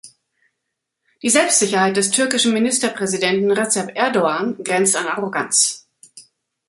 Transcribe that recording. Die Selbstsicherheit des türkischen Ministerpräsidenten, Recep Erdogan, grenzt an Arroganz.